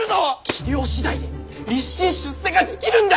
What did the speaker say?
器量次第で立身出世ができるんだ！